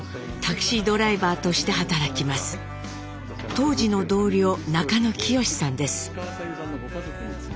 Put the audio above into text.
当時の同僚中野清さんです。